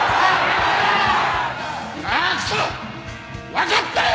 分かったよ！